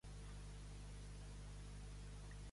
Casat, aviat s'ho és; els treballs venen després.